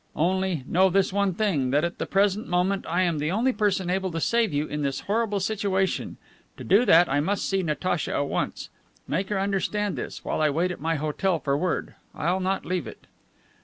Only, know this one thing, that at the present moment I am the only person able to save you in this horrible situation. To do that I must see Natacha at once. Make her understand this, while I wait at my hotel for word. I'll not leave it."